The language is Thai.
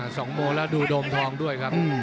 สองโมงแล้วดูโดมทองด้วยครับ